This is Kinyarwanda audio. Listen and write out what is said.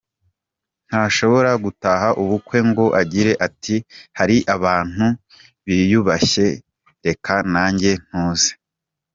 Ntashobora gutaha ubukwe ngo agire ati hari abantu biyubashye reka nanjye ntuze.